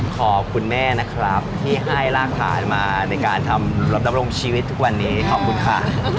ขอบคุณแม่นะครับที่ให้รากฐานมาในการทำลบดำรงชีวิตทุกวันนี้ขอบคุณค่ะ